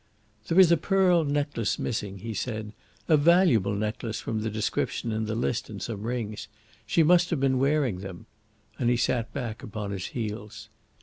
"There is a pearl necklace missing," he said. "A valuable necklace, from the description in the list and some rings. She must have been wearing them;" and he sat back upon his heels.